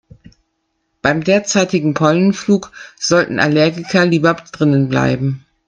Beim derzeitigen Pollenflug sollten Allergiker lieber drinnen bleiben.